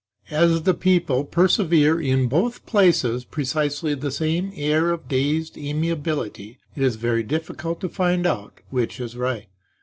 As the people preserve in both places precisely the same air of dazed amiability, it is very difficult to find out which is right.